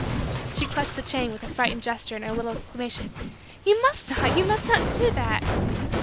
She clutched the chain with a frightened gesture and a little exclamation. "You must not you must not do that."